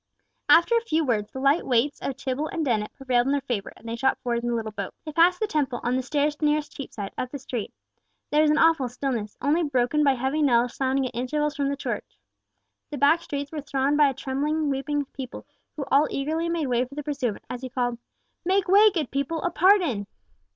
After a few words, the light weights of Tibble and Dennet prevailed in their favour, and they shot forward in the little boat. They passed the Temple—on to the stairs nearest Cheapside—up the street. There was an awful stillness, only broken by heavy knells sounding at intervals from the churches. The back streets were thronged by a trembling, weeping people, who all eagerly made way for the pursuivant, as he called "Make way, good people—a pardon!"